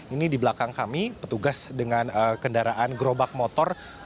ini di belakang kami petugas dengan kendaraan gerobak motor